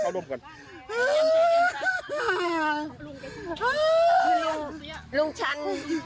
ลุงชันลุงชัน